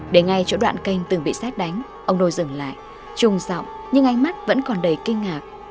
đến ngay chỗ đoạn kênh từng bị xét đánh ông nô dừng lại trùng rộng nhưng ánh mắt vẫn còn đầy kinh ngạc